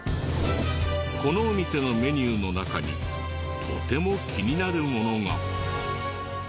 このお店のメニューの中にとても気になるものが。